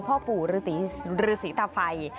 พ่อปู่รือสีตาไฟ